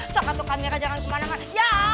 sok gantung kamera jangan kemana mana